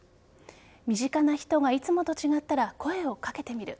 身近な人がいつもと違ったら声をかけてみる